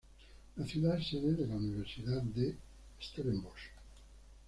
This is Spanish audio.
La ciudad es sede de la Universidad de Stellenbosch.